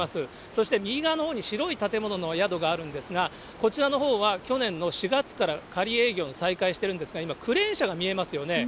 そして右側のほうに白い建物の宿があるんですが、こちらのほうは、去年の４月から仮営業が再開しているんですが、今、クレーン車が見えますよね。